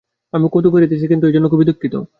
আমি কৌতুক করিতেছি, কিন্তু এজন্য খুবই দুঃখিত।